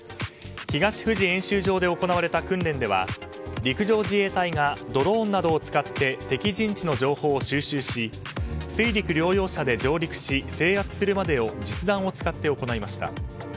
東富士演習場で行われた訓練では陸上自衛隊がドローンなどを使って敵陣地の情報を収集し水陸両用車で上陸し制圧するまでを実弾を使って行いました。